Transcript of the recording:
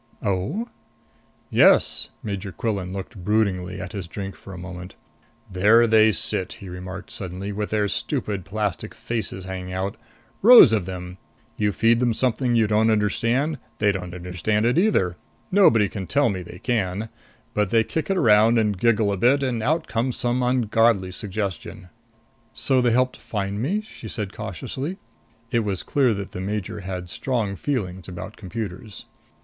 "Oh?" "Yes." Major Quillan looked broodingly at his drink for a moment. "There they sit," he remarked suddenly, "with their stupid plastic faces hanging out! Rows of them. You feed them something you don't understand. They don't understand it either. Nobody can tell me they can. But they kick it around and giggle a bit, and out comes some ungodly suggestion." "So they helped you find me?" she said cautiously. It was clear that the major had strong feelings about computers.